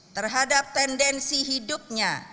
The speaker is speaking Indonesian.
terhadap tendensi hidupnya